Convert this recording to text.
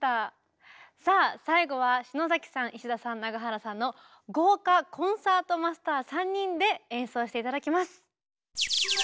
さあ最後は篠崎さん石田さん長原さんの豪華コンサートマスター３人で演奏して頂きます。